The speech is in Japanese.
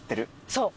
そう。